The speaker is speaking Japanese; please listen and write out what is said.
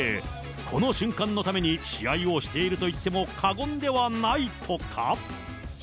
この瞬間のために試合をしていると言っても過言ではないとか。